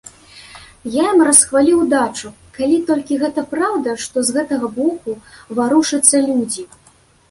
Я ім расхваліў удачу, калі толькі гэта праўда, што з гэтага боку варушацца людзі.